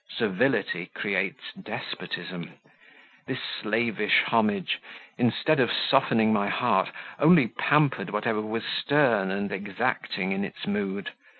Servility creates despotism. This slavish homage, instead of softening my heart, only pampered whatever was stern and exacting in its mood.